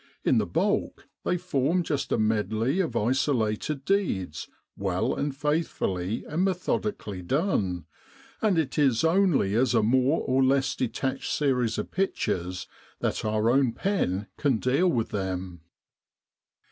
In the bulk they form just a medley of isolated deeds well and faithfully and methodically done, and it is only as a more or less detached series of pictures that our own pen can deal with them.